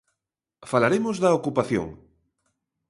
Falaremos da ocupación.